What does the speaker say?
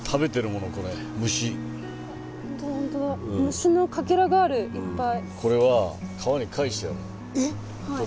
虫のかけらがあるいっぱい。